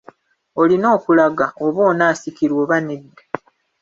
Olina okulaga oba onaasikirwa oba nedda.